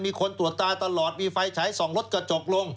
มีคนตรวจตาตลอดมีไฟฉายส่องรถกระจกลง